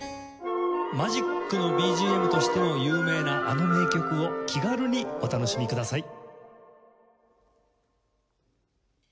マジックのＢＧＭとしても有名なあの名曲を気軽にお楽しみください。